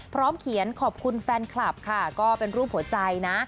พร้อมเขียนขอบคุณแฟนคลับค่ะก็เป็นรูปหัวใจนะ